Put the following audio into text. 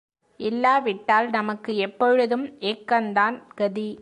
இல்லாவிட்டால் நமக்கு எப்பொழுதும் ஏக்கந்தான் கதி.